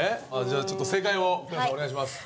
じゃあちょっと正解を黒田さんお願いします。